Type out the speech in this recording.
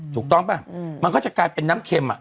ถูกต้องป่ะมันก็จะกลายเป็นน้ำเค็ม